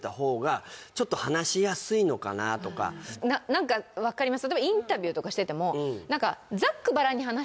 何か分かります